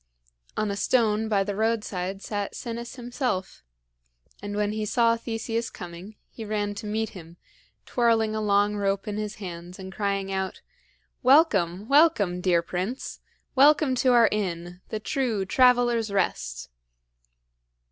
On a stone by the roadside sat Sinis himself; and when he saw Theseus coming, he ran to meet him, twirling a long rope in his hands and crying out: "Welcome, welcome, dear prince! Welcome to our inn the true Traveler's Rest!"